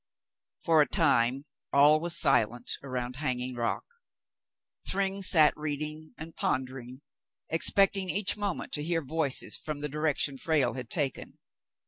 For a time all was silent around Hanging Rock. Thryng sat reading and pondering, expecting each moment to hear voices from the direction Frale had taken.